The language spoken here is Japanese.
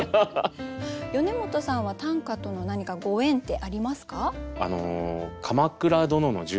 米本さんは短歌との何かご縁ってありますか？